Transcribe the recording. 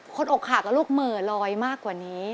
นอกขากับลูกเหม่อลอยมากกว่านี้